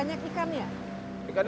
tapi ini banyak ikannya